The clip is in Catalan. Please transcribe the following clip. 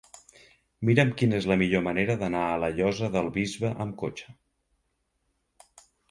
Mira'm quina és la millor manera d'anar a la Llosa del Bisbe amb cotxe.